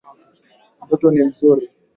Mtoto ni mzuri.